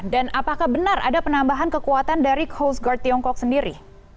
dan apakah benar ada penambahan kekuatan dari coast guard tiongkok sendiri